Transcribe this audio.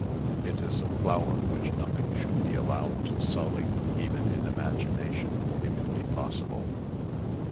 It is a flower which nothing should be allowed to sully, even in imagination if it be possible.